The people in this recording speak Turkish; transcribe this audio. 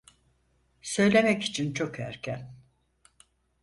Söylemek için çok erken.